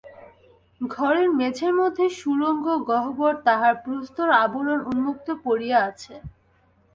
ঘরের মেঝের মধ্যে সুরঙ্গ-গহ্বর, তাহার প্রস্তর-আবরণ উন্মুক্ত পড়িয়া আছে।